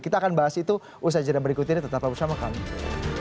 kita akan bahas itu usaha jadwal berikut ini tetap bersama kami